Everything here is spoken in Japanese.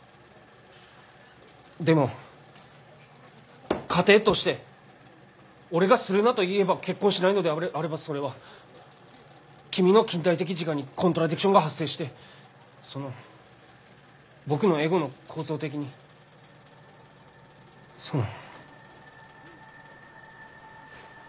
でも仮定として俺が「するな」と言えば結婚しないのであればそれは君の近代的自我にコントラディクションが発生してその僕のエゴの構造的にその。